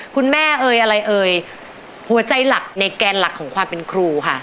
คุณแม่เอ่ยอะไรเอ่ยหัวใจหลักในแกนหลักของความเป็นครูค่ะ